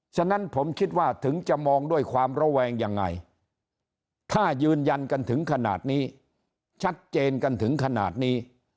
ฉะนั้นผมคิดว่าถึงจะมองด้วยความระแวงยังไงถ้ายืนยันกันถึงขนาดนี้ชัดเจนกันถึงขนาดนี้